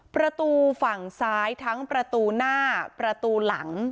ประตูฝั่งซ้ายทั้งประตูหน้าประตูหลัง